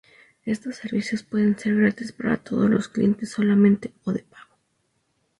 Estos servicios pueden ser gratis para todos, para los clientes solamente, o de pago.